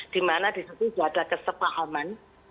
di mana disitu juga ada kesepahaman